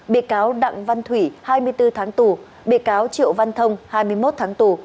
bị cáo đặng văn thủy hai mươi bốn tháng tù bị cáo triệu văn thông hai mươi một tháng tù